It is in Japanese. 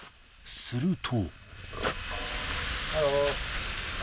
すると。